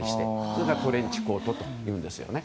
それがトレンチコートというんですよね。